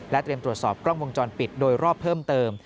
เตรียมตรวจสอบกล้องวงจรปิดโดยรอบเพิ่มเติม